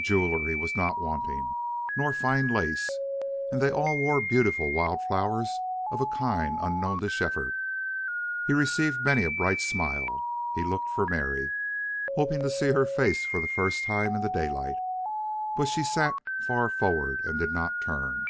Jewelry was not wanting, nor fine lace. And they all wore beautiful wild flowers of a kind unknown to Shefford. He received many a bright smile. He looked for Mary, hoping to see her face for the first time in the daylight, but she sat far forward and did not turn.